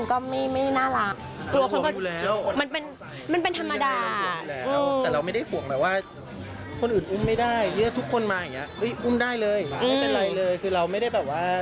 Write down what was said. ขนาดนั้นหรือครับ